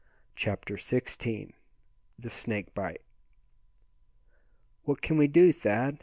CHAPTER XVI. THE SNAKE BITE. "What can we do, Thad?"